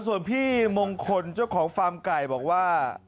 ส่วนพี่มงคลเจ้าของฟาร์มไก่บอกว่า